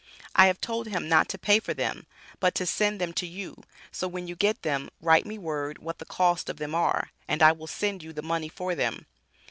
I have told him not to pay for them but to send them to you so when you get them write me word what the cost of them are, and I will send you the money for them.